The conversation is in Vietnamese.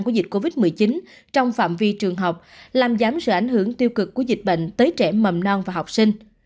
của dịch covid một mươi chín trong phạm vi trường học làm giảm sự ảnh hưởng tiêu cực của dịch bệnh tới trẻ mầm non và học sinh